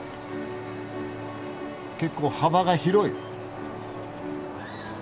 結構幅が広い。